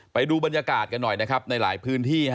ไปดูบรรยากาศกันหน่อยนะครับในหลายพื้นที่